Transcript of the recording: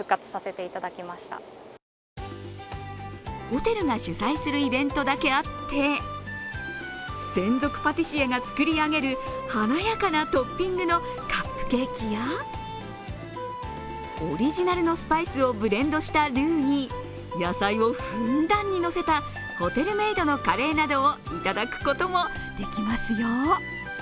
ホテルが主催するイベントだけあって専属パティシエが作り上げる華やかなトッピングのカップケーキにオリジナルのスパイスをブレンドしたルーに野菜をふんだんにのせたホテルメイドのカレーなどを頂くこともできますよ。